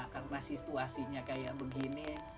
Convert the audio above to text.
karena situasinya kayak begini